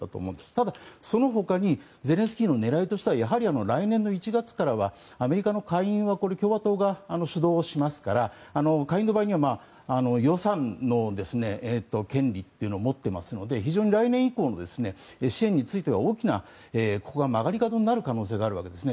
ただ、その他にゼレンスキーの狙いとしては来年の１月からはアメリカの下院は共和党が主導しますから下院の場合、予算の権利を持っていますので非常に来年以降、支援については大きな曲がり角になるかもしれないんですね。